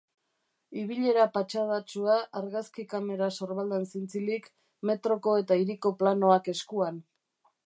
Ibilera patxadatsua, argazki kamera sorbaldan zintzilik, metroko eta hiriko planoak eskuan.